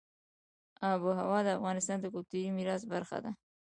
آب وهوا د افغانستان د کلتوري میراث برخه ده.